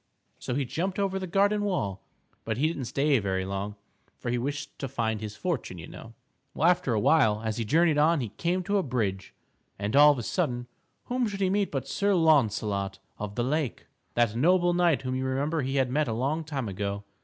So he jumped over the garden wall, but he didn't stay very long, for he wished to find his fortune, you know. Well, after a while, as he journeyed on he came to a bridge, and, all of a sudden, whom should he meet but Sir Launcelot of the Lake, that noble knight whom you remember he had met a long time ago.